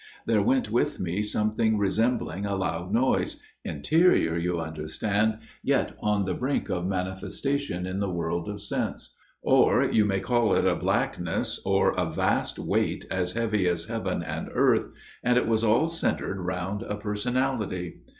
There went with me something resembling a loud noise interior, you FATHER GIRDLESTONE'S TALE 125 understand, yet on the brink of manifestation in the world of sense or you may call it a black ness, or a vast weight as heavy as heaven and earth and it was all centred round a person ality.